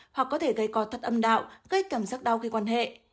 hoặc có thể gây có thất âm đạo gây cảm giác đau khi quan hệ